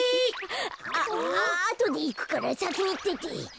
ああとでいくからさきにいってて。